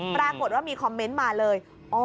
ปรากฏว่ามีคอมเมนต์มาเลย